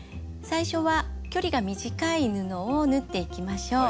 最初は距離が短い布を縫っていきましょう。